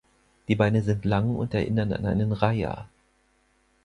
Die Beine sind lang und erinnern an einen Reiher.